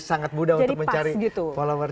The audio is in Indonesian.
sangat mudah untuk mencari follower